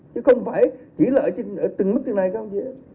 chứ không phải chỉ là ở từng mức như thế này thôi